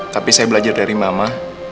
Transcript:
tapi saya belajar dari mama